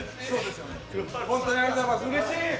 そうですよね。